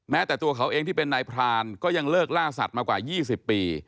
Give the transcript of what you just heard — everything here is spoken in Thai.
แต่ตัวเขาเองที่เป็นนายพรานก็ยังเลิกล่าสัตว์มากว่า๒๐ปี